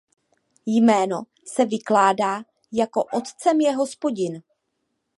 Jméno se vykládá jako "„Otcem je Hospodin“".